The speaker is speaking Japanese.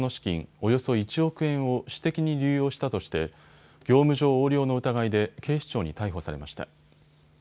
およそ１億円を私的に流用したとして業務上横領の疑いで警視庁に逮捕されました。